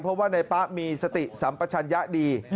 เพราะว่าในป๊ะมีสติสัมปชัญญะดี